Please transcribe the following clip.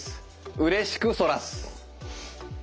うれしく反らす。